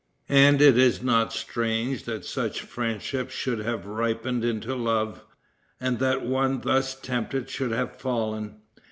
And it is not strange that such friendships should have ripened into love, and that one thus tempted should have fallen.